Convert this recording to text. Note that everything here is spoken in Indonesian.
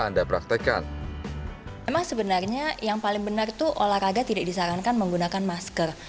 anda praktekkan emang sebenarnya yang paling benar itu olahraga tidak disarankan menggunakan masker